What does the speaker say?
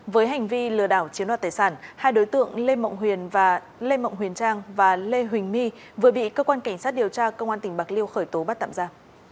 với hành vi lừa đảo chiến đoạt tài sản hai đối tượng lê mộng huyền trang và lê huỳnh my vừa bị cơ quan cảnh sát điều tra công an tỉnh bạc liêu khởi tố bắt tạm ra